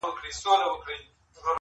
لېوني تې ول ځغله، چي مست راغی.